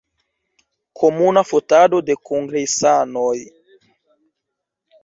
Komuna fotado de kongresanoj.